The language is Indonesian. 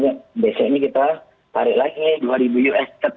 biasanya kita tarik lagi rp dua tetap nggak bisa